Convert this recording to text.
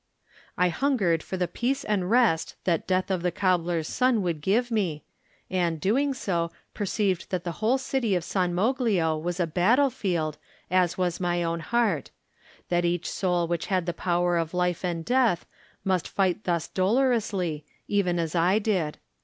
I hungered for the peace and rest that death of the cobbler's son would give me, and, doing so, perceived that the whole city of San Moglio was a battle field as was my own heart; that each soul which had the 05 Digitized by Google THE NINTH MAN power of life and death must fight thus dolorously, even as I did.